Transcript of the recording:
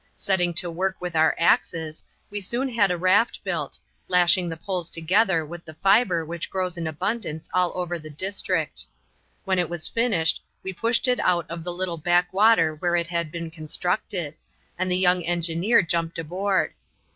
Setting to work with our axes, we soon had a raft built, lashing the poles together with the fibre which grows in abundance all over the district. When it was finished, we pushed it out of the little backwater where it had been constructed, and the young engineer jumped aboard.